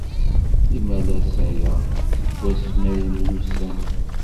Imalas aya seg wasmi ay myussanen.